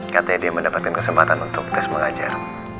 katanya dia mendapatkan kesempatan untuk terus mengajar